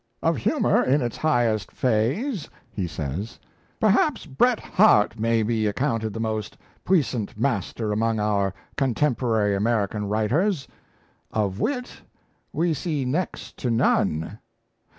"Of humour in its highest phase," he says, "perhaps Bret Harte may be accounted the most puissant master among our contemporary American writers. Of wit, we see next to none.